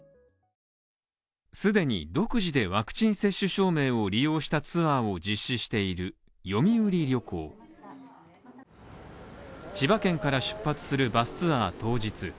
既に独自でワクチン接種証明を利用したツアーを実施している読売旅行千葉県から出発するバスツアー当日。